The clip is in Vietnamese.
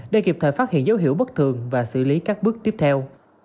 để kịp thời phát hiện dấu hiệu bất thường và xử lý các bước tiếp theo